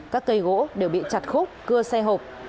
các cây gỗ đều bị chặt khúc cưa xe hộp